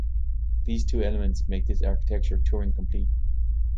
These two elements make this architecture Turing-complete.